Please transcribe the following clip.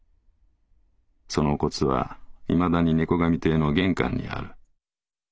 そのお骨はいまだに猫神亭の玄関にある。